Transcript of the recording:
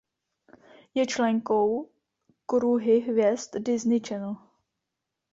Je členkou kruhy hvězd Disney Channel.